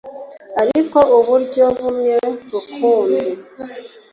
ariko uburyo bumwe rukumbi